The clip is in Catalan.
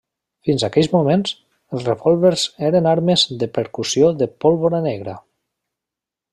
Fins aquells moments, els revòlvers eren armes de percussió de pólvora negra.